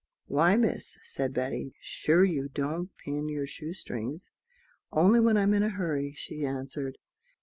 "Why, Miss," said Betty, "sure you don't pin your shoe strings?" "Only when I am in a hurry," she answered.